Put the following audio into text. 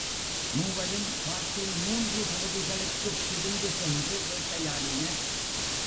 மூவரும் காட்டின் மூன்று பகுதிகளுக்குப் பிரிந்து சென்று வேட்டையாடினர்.